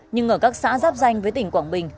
nhưng ở các xã giáp danh với tỉnh quảng bình